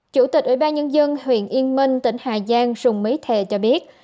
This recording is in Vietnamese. chủ tịch ủy ban nhân dân huyện yên minh tỉnh hà giang sùng mỹ thề cho biết